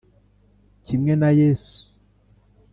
Kimwe na Yesu